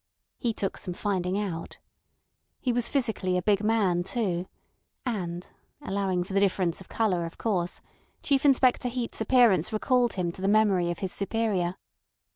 He took some finding out. He was physically a big man, too, and (allowing for the difference of colour, of course) Chief Inspector Heat's appearance recalled him to the memory of his superior.